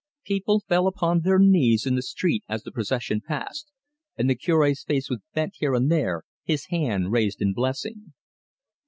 People fell upon their knees in the street as the procession passed, and the Cure's face was bent here and there, his hand raised in blessing.